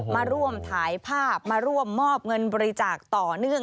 มาร่วมถ่ายภาพมาร่วมมอบเงินบริจาคต่อเนื่อง